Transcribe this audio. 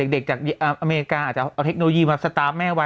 จากอเมริกาอาจจะเอาเทคโนโลยีมาสตาร์ฟแม่ไว้